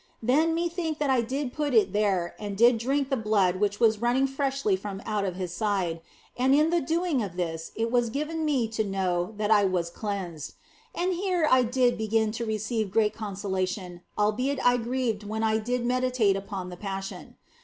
Then methought that I did put it there and did drink the blood which was running freshly from out of His side, and in the doing of this it was given me to know that I was cleansed. And here I did begin to receive great consola tion, albeit I grieved when I did meditate upon the Passion.